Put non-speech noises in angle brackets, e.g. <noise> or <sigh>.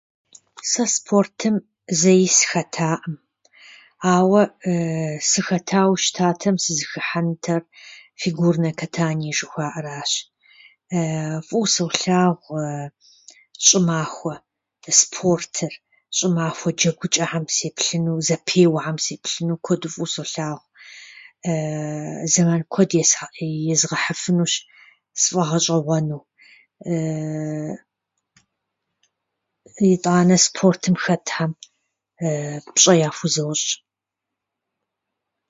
Сэ спортым зэи сыхэтаӏым, ауэ <hesitation> сыхэтауэ щытатэм сызыхыхьэнутэр фигурное катание жыхуаӏэращ. <hesitation> фӏыуэ солъагъу <hesitation> щӏымахуэ спортыр, щӏымахуэ джэгучӏэхьэм сеплъыну, зэпеуэхьэм сеплъыну куэду фӏыуэ солъагъу. <hesitation> Зэман куэд есхьэ- езгъэхьыфынущ сфӏэгъэщӏэгъуэну. <hesitation> Итӏанэ спортым хэтхьэм <hesitation> пщӏэ яхузощӏ.